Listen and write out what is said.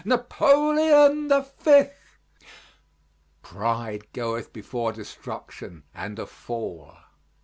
Napoleon the Fifth! Pride goeth before destruction and a fall.